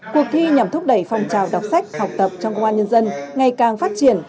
cuộc thi nhằm thúc đẩy phong trào đọc sách học tập trong công an nhân dân ngày càng phát triển